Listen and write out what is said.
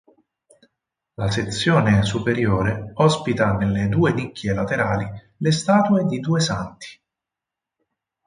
La sezione superiore ospita nelle due nicchie laterali le statue di due santi.